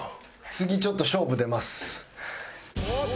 次ちょっと勝負出ます。